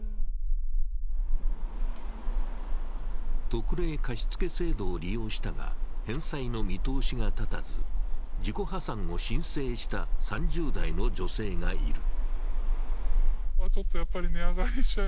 特例貸付制度を利用したが、返済の見通しが立たず、自己破産を申請した３０代の女性がいる。